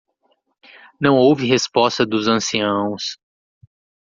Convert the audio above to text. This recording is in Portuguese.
Não houve resposta dos anciãos.